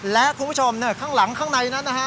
และคุณผู้ชมข้างหลังข้างในนั้นนะฮะ